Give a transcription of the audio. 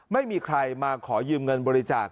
ไม่มีใครมาขอยืมเงินบริจาค